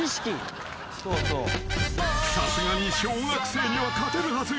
［さすがに小学生には勝てるはず］